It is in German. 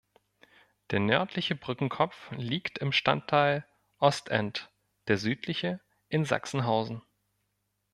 Der nördliche Brückenkopf liegt im Stadtteil Ostend, der südliche in Sachsenhausen.